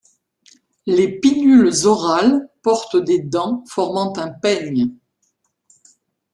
Les pinnules orales portent des dents formant un peigne.